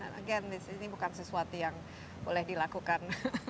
dan lagi ini bukan sesuatu yang boleh dilakukan